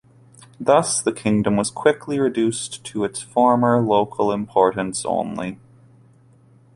Thus the kingdom was quickly reduced to its former local importance only.